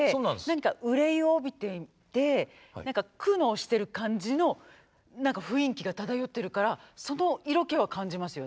何か憂いを帯びていて何か苦悩している感じの何か雰囲気が漂ってるからその色気は感じますよ私。